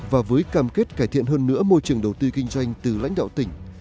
và với cam kết cải thiện hơn nữa môi trường đầu tư kinh doanh từ lãnh đạo tỉnh